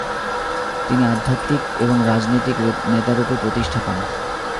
তিনি আধ্যাত্মিক এবং রাজনৈতিক নেতারূপে প্রতিষ্ঠা পান।